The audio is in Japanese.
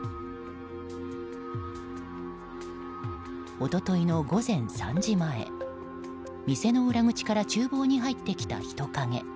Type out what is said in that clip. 一昨日の午前３時前店の裏口から厨房に入ってきた人影。